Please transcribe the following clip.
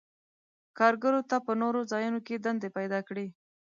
کارګرو ته په نورو ځایونو کې دندې پیداکړي.